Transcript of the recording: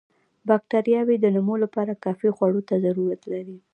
باکټریاوې د نمو لپاره کافي خوړو ته ضرورت لري.